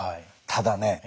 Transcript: ただね